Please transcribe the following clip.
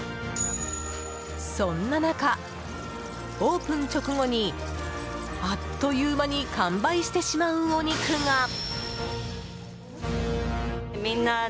そんな中オープン直後に、あっという間に完売してしまうお肉が。